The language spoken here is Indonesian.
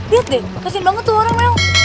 liat deh kesin banget tuh orang